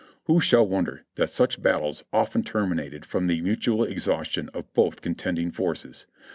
"Who shall wonder that such battles often terminated from the mutual exhaustion of both contending forces?